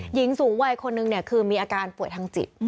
หญิงสูงวัยคนนึงคือมีอาการป่วยทางจิต